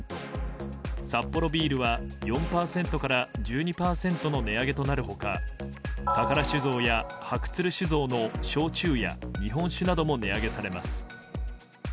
サッポロビールは４％から１２％の値上げとなる他宝酒造や白鶴酒造の焼酎や日本酒なども値上げされます。